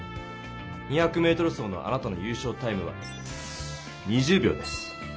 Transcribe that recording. ２００ｍ走のあなたの優勝タイムは２０秒です。